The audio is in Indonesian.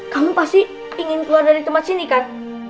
kamu pasti ingin keluar dari tempat sini kan